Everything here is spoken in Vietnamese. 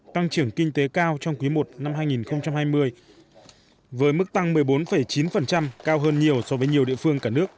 tăng trưởng kinh tế cao trong quý i năm hai nghìn hai mươi với mức tăng một mươi bốn chín cao hơn nhiều so với nhiều địa phương cả nước